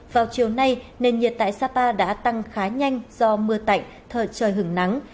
vào chiều nay nền nhiệt tại sapa đã tăng khá nhanh do mưa tạnh thời trời hứng nắng